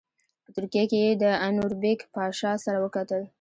په ترکیه کې یې د انوربیګ پاشا سره وکتل.